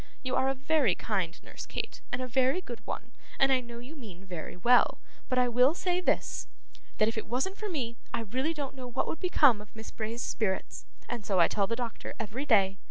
You are a very kind nurse, Kate, and a very good one, and I know you mean very well; but I will say this that if it wasn't for me, I really don't know what would become of Miss Bray's spirits, and so I tell the doctor every day.